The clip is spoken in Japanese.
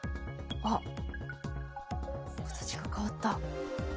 あっ形が変わった。